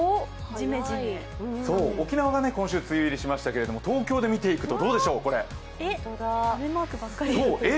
沖縄が今週、梅雨入りしましたけれども東京で見ていくとどうでしょう？え？